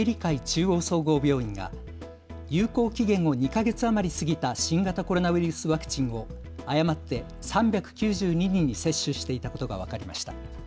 中央総合病院が有効期限を２か月余り過ぎた新型コロナウイルスワクチンを誤って３９２人に接種していたことが分かりました。